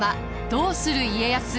「どうする家康」。